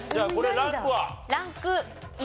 ランク１。